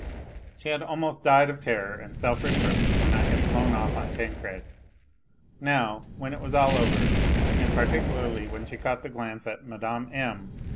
She had almost died of terror and self reproach when I had flown off on Tancred ; now, when it was all over, and particularly when she caught iho glance at Mme. M.